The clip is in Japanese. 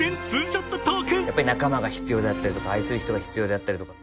やっぱり仲間が必要であったり愛する人が必要であったりとか。